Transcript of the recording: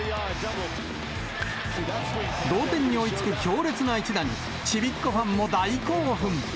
同点に追いつく強烈な一打に、ちびっ子ファンも大興奮。